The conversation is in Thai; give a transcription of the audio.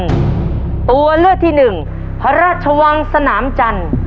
ตัวเลือกที่หนึ่งพระราชวังสนามจันทร์